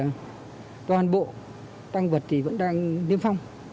hiện nay toàn bộ tăng vật vẫn đang niêm phong